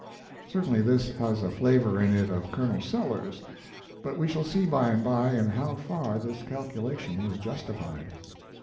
Certainly this has a flavor in it of Colonel Sellers, but we shall see by and by in how far this calculation was justified.